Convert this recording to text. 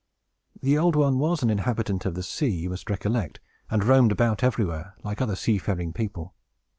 The Old One was an inhabitant of the sea, you must recollect, and roamed about everywhere, like other sea faring people.